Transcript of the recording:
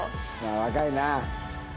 若いな。